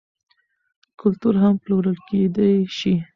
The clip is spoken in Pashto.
کلتور هم پلورل کیدی شي.